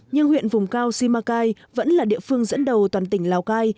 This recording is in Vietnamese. nhưng huyện vùng cao simacai vẫn là địa phương dẫn đầu toàn tỉnh lào cai